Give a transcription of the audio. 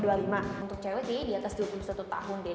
untuk cewek ya diatas dua puluh satu tahun deh